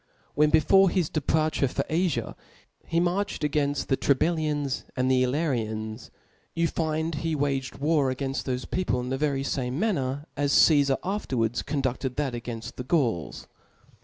When before his departure for Afia, he marched againft the Tribal Hans and Illyrians, you find he waged war (*) againft thofc people in the very (•) SceAr fame manner as Caefar afterwards conduced that "j^S^^it. againft the Gauls.